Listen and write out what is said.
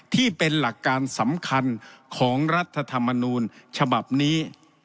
ที่เป็นหลักการสำคัญของรัฐธรรมนูญฉบับนี้